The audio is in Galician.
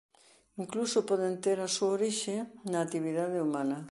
Incluso poden ter a súa orixe na actividade humana.